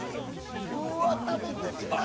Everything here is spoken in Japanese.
うわっ食べてみたい！